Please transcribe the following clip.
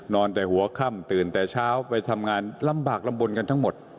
แต่หัวค่ำตื่นแต่เช้าไปทำงานลำบากลำบลกันทั้งหมด